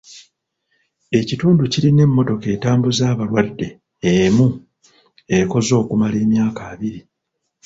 Ekitundu kirina emmotoka etambuza abalwadde emu ekoze okumala emyaka abiri.